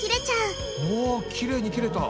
おきれいに切れた！